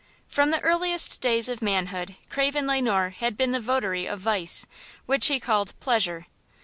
From the earliest days of manhood Craven Le Noir had been the votary of vice, which he called pleasure.